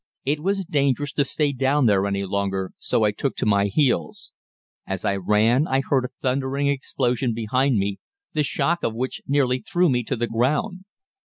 It was dangerous to stay down there any longer, so I took to my heels. As I ran I heard a thundering explosion behind me, the shock of which nearly threw me to the ground.